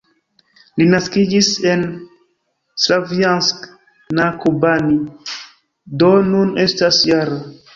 Li naskiĝis en Slavjansk-na-Kubani, do nun estas -jara.